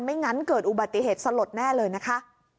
งั้นเกิดอุบัติเหตุสลดแน่เลยนะคะ